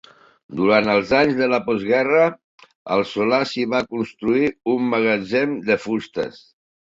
Durant els anys de postguerra, al solar s’hi va construir un magatzem de fustes.